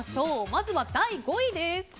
まずは第５位です。